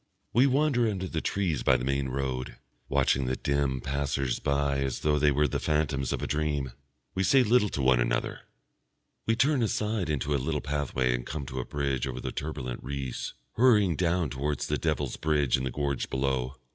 We wander under the trees by the main road, watching the dim passers by as though they were the phantoms of a dream. We say little to one another. We turn aside into a little pathway and come to a bridge over the turbulent Reuss, hurrying down towards the Devil's Bridge in the gorge below.